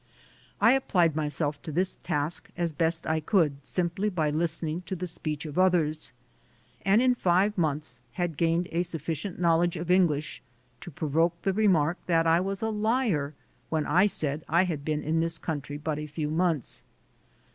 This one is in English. I applied myself to this task as best I could simply by listening to the speech of others, and in five months had gained a sufficient knowledge of English to provoke the remark that I was a "liar" when I said I had been in this country but a few months.